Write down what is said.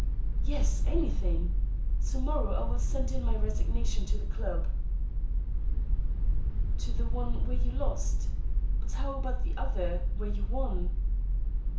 " Yes, anything. To morrow I will send in my resignation to the club." " To the one where you lost ; but how about the other, where you won